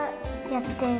やってる。